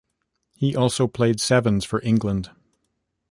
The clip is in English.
He also played Sevens for England.